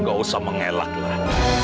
gak usah mengelaklah